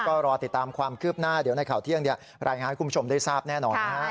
ก็รอติดตามความคืบหน้าเดี๋ยวในข่าวเที่ยงรายงานให้คุณผู้ชมได้ทราบแน่นอนนะฮะ